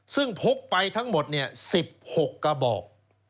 ซึ่งพกไปทั้งหมด๑๖กระบอก